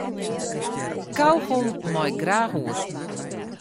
Kaugom mei ik graach oer.